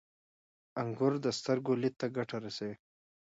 • انګور د سترګو لید ته ګټه رسوي.